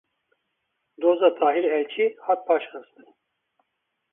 Doza Tahîr Elçî hat paşxistin.